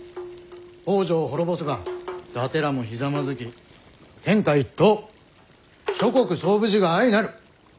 北条を滅ぼせば伊達らもひざまずき天下一統諸国惣無事が相成る。